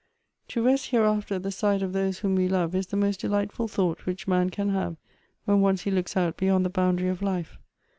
" To rest hereafter at the side of those whom we love is the most delightful thought which man can have when once he looks out beyond the boundary of life.